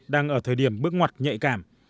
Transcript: đang ở thời điểm bước ngoặt nhạy cảm